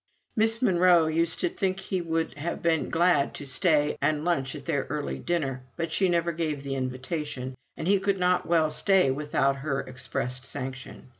Miss Monro used to think he would have been glad to stay and lunch at their early dinner, but she never gave the invitation, and he could not well stay without her expressed sanction.